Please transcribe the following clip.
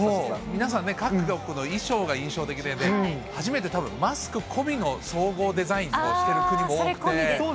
皆さん、各国の衣装が印象的でね、初めてたぶん、マスク込みの総合デザインをしてそれ込みでっていう？